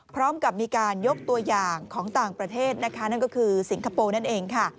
พร้อมกับมีการยกตัวอย่างของต่างประเทศนะคะนั่นก็คือสิงคโปร์นั่นเองค่ะ